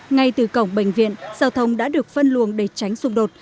ngay từ cổng bệnh viện giao thông đã được phân luồng để tránh xung đột